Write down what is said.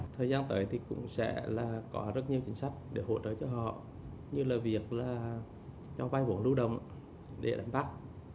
thời gian tới thì cũng sẽ có rất nhiều chính sách để hỗ trợ cho họ như là việc cho vây vốn lưu đồng để đánh bắt